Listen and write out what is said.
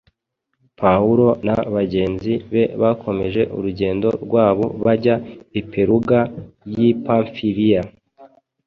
Pawulo na bagenzi be bakomeje urugendo rwabo bajya i Peruga y’i Pamfiliya.